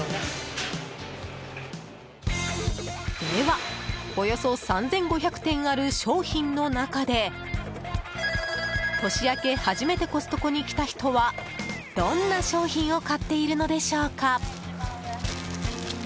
では、およそ３５００点ある商品の中で年明け初めてコストコに来た人はどんな商品を買っているのでしょうか。